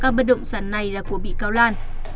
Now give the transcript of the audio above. bất động sản này là của bị cáo lan